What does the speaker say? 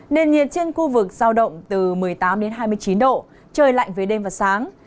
nền nhiệt trên khu vực giao động từ một mươi tám đến hai mươi chín độ trời lạnh về đêm và sáng